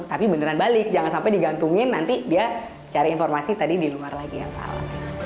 tapi beneran balik jangan sampai digantungin nanti dia cari informasi tadi di luar lagi yang salah